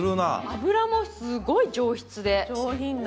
脂もすっごい上質で。